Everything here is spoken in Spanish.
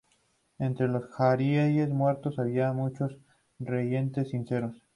Entre los jariyíes muertos había muchos creyentes sinceros.